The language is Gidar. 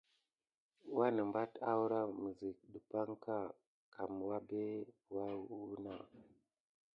Wanəmbat awrah miyzkit dupanka kam wabé wuna.